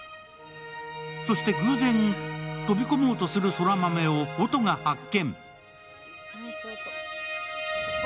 そして偶然、飛び込もうとする空豆を音が発見。